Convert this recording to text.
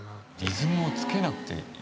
リズムをつけなくて。